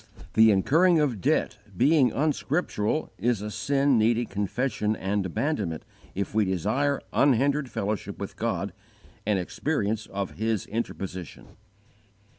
The incurring of debt, being unscriptural, is a sin needing confession and abandonment if we desire unhindered fellowship with God, and experience of His interposition.